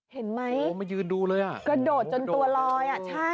เห็นไหมกระโดดจนตัวลอย